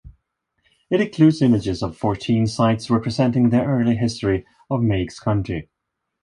It includes images of fourteen sites representing the early history of Meigs County.